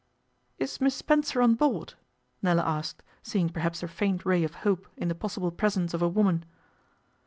'Is Miss Spencer on board?' Nella asked, seeing perhaps a faint ray of hope in the possible presence of a woman.